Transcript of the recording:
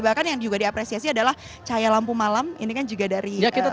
bahkan yang juga diapresiasi adalah cahaya lampu malam ini kan juga dari kita